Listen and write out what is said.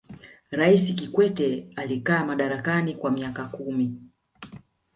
raisi kikwete alikaa madarakani kwa miaka kumi